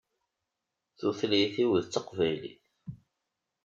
Tutlayt-iw d taqbaylit.